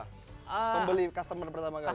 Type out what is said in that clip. pembeli customer pertama kali